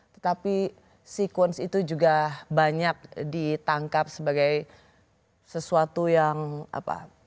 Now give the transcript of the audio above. tetapi sekuens itu juga banyak ditangkap sebagai sesuatu yang apa